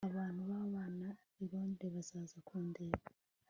abantu babana i londres baza kundeba